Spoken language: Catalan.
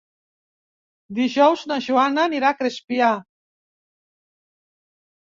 Dijous na Joana anirà a Crespià.